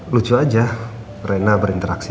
lucu aja rena berinteraksi